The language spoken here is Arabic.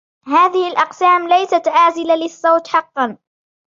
هذه الأقسام ليست عازلة للصوت حقًا